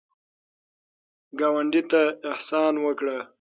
ګاونډي ته احسان وکړه